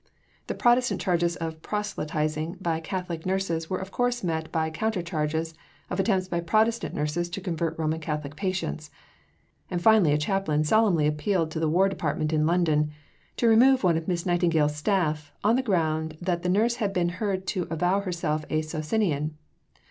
The Protestant charges of proselytizing by Catholic nurses were of course met by counter charges of attempts by Protestant nurses to convert Roman Catholic patients; and finally a chaplain solemnly appealed to the War Department in London to remove one of Miss Nightingale's staff on the ground that the nurse had been heard to avow herself a Socinian.